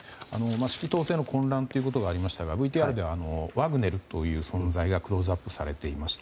指揮統制の混乱ということがありましたがＶＴＲではワグネルという存在がクローズアップされていました。